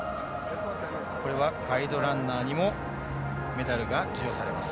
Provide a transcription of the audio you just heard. ガイドランナーにもメダルが授与されます。